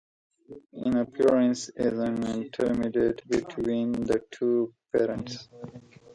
In appearance it is intermediate between the two parents.